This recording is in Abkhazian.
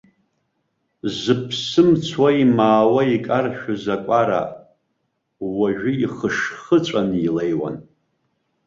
Зыԥсы мцо имаауа икаршәыз акәара, уажәы ихышхыҵәан илеиуан.